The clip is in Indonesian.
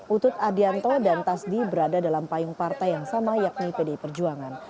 utut adianto dan tasdi berada dalam payung partai yang sama yakni pdi perjuangan